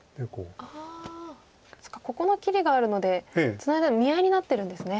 そっかここの切りがあるのでツナいだら見合いになってるんですね。